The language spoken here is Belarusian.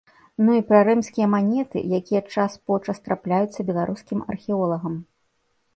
Ну і пра рымскія манеты, якія час-почас трапляюцца беларускім археолагам.